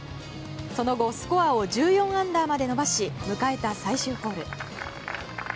その後スコアを１４アンダーまで伸ばし迎えた最終ホール。